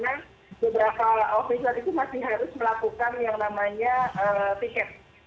karena beberapa ofisial itu masih harus melakukan yang namanya tiket